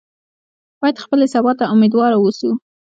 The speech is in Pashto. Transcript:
باید خپلې سبا ته امیدواره واوسو.